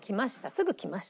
すぐ来ました。